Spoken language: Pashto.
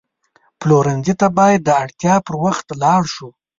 پلورنځي ته باید د اړتیا پر وخت لاړ شو.